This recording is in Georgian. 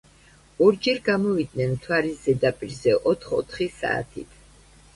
ორჯერ გამოვიდნენ მთვარის ზედაპირზე ოთხ-ოთხი საათით.